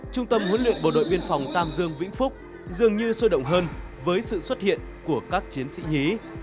trung tâm huấn luyện bộ đội biên phòng tam dương vĩnh phúc dường như sôi động hơn với sự xuất hiện của các chiến sĩ nhí